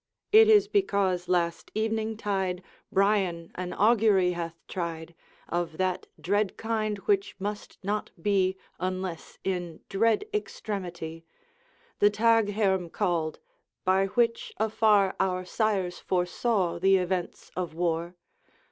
'It is because last evening tide Brian an augury hath tried, Of that dread kind which must not be Unless in dread extremity, The Taghairm called; by which, afar, Our sires foresaw the events of war.